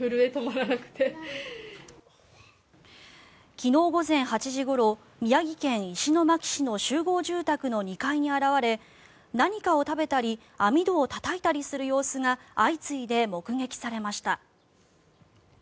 昨日午前８時ごろ宮城県石巻市の集合住宅の２階に現れ何かを食べたり網戸をたたいたりする様子が相次いで目撃されました。